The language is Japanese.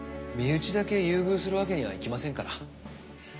身内だけ優遇するわけにはいきませんから。